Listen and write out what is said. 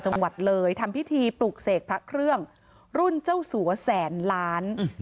จังหวัดเลยทำพิธีปลุกเสกพระเครื่องรุ่นเจ้าสัวแสนล้าน